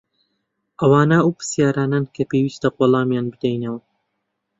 ئەوانە ئەو پرسیارانەن کە پێویستە وەڵامیان بدەینەوە.